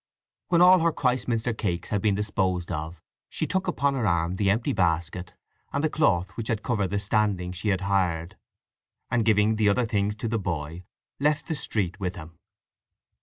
When all her "Christminster" cakes had been disposed of she took upon her arm the empty basket, and the cloth which had covered the standing she had hired, and giving the other things to the boy left the street with him.